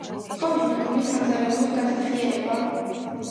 ღომი მეგრული სამზარეულოს განსახიერებაა